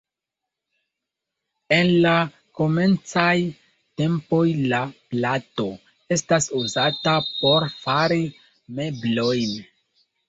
En la komencaj tempoj la plato estas uzata por fari meblojn.